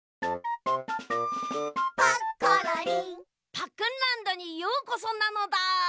パックンランドにようこそなのだ！